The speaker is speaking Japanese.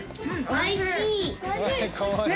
おいしいね。